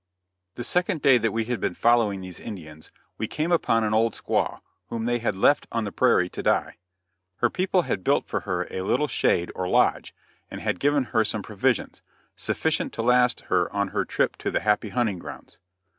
The second day that we had been following these Indians we came upon an old squaw, whom they had left on the prairie to die. Her people had built for her a little shade or lodge, and had given her some provisions, sufficient to last her on her trip to the Happy Hunting grounds.